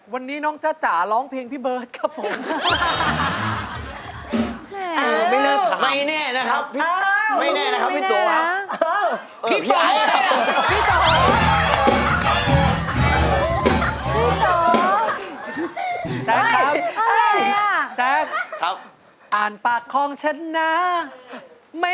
วันนี้น้องจ้าจ๋าร้องเพลงพี่เบิร์ตครับผม